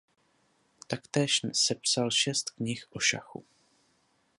Taktéž sepsal šest knih o šachu.